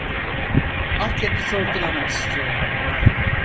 Alt yapı sorgulama istiyorum